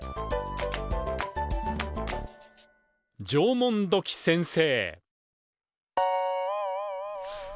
「縄文土器先生」。